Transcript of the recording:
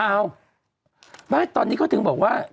อ้าวไม่ตอนนี้เขาถึงบอกว่า